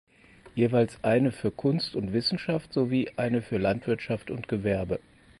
Jeweils eine für Kunst und Wissenschaft sowie eine für Landwirtschaft und Gewerbe.